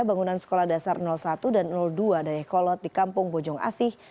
bangunan sekolah dasar satu dan dua dayakolot di kampung bojong asih